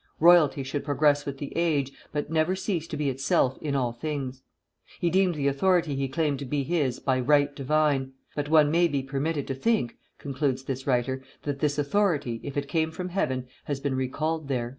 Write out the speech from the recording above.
Royalty should progress with the age, but never cease to be itself in all things.' He deemed the authority he claimed to be his by right divine; but one may be permitted to think," concludes this writer, "that this authority, if it came from Heaven, has been recalled there."